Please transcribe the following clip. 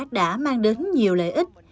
đã mang đến nhiều lợi ích